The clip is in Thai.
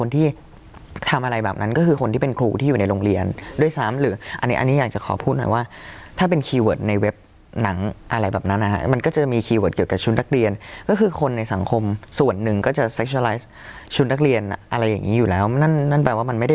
ถ้านักเรียนจริงหรือเปล่าก็ไม่รู้ถึงชุดรึเปล่า